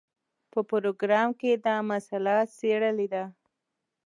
په پروګرام کې دا مسله څېړلې ده.